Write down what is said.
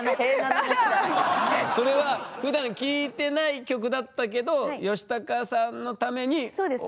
それはふだん聴いてない曲だったけどヨシタカさんのために覚えたんです？